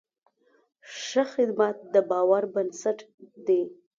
ښه خدمت د باور بنسټ دی.